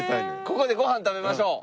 ここでご飯食べましょう！